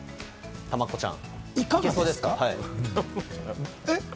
たまっこちゃん。